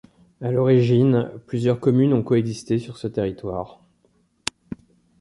À l'origine, plusieurs communes ont coexisté sur ce territoire.